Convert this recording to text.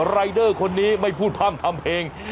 รายเดอร์คนนี้ไม่พูดพร่ำทำเพลง